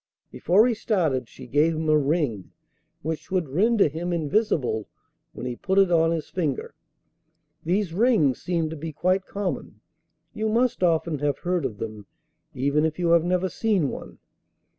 Before he started she gave him a ring which would render him invisible when he put it on his finger. These rings seem to be quite common; you must often have heard of them, even if you have never seen one.